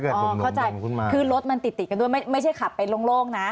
อ๋อเขาจ่ายคือรถมันติดกันด้วยแม้ไม่ที่ขับไปโรงนะ